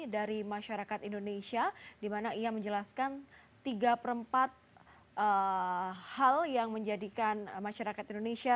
dari masyarakat indonesia di mana ia menjelaskan tiga per empat hal yang menjadikan masyarakat indonesia